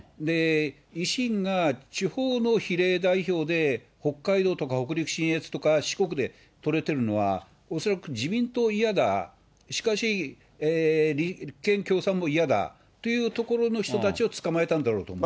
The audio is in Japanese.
維新が地方の比例代表で北海道とか北陸信越で、四国でこれを取れてるのは、恐らく自民党嫌だ、しかし、立憲共産も嫌だ、というところの人たちを捕まえたんだろうと思う。